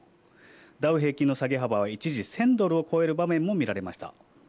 ダウ平均の下げ幅は一時１０００ドルを超える場面も見られました。